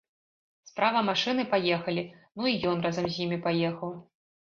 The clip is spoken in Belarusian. Справа машыны паехалі, ну і ён разам з імі паехаў.